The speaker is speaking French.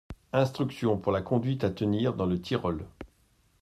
Instruction pour la conduite à tenir dans le Tyrol.